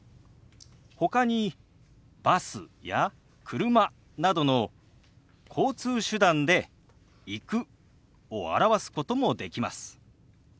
ほかにバスや車などの交通手段で「行く」を表すこともできます。